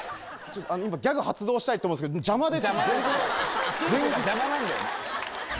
今ギャグ発動したいと思うんすけど新婦が邪魔なんだよね。